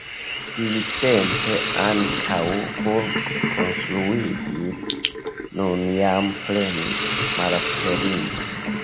Tiutempe ankaŭ burgo konstruiĝis, nun jam plene malaperinta.